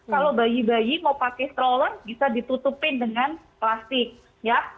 kalau bayi bayi mau pakai stroller bisa ditutupin dengan plastik ya